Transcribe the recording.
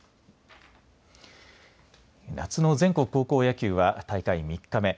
夏の全国高校野球は大会３日目。